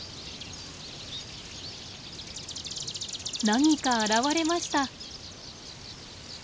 何か現れました。